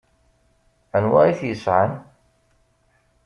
Anwa i t-yesɛan?